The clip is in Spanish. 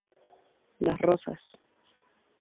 Las Rozas.